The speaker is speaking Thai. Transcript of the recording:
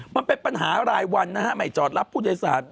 มันเป็นปัญหารายวันนะฮะไม่จอดรับผู้โดยสาร